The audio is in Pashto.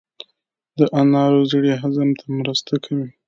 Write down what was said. د انارو زړې هضم ته مرسته کوي.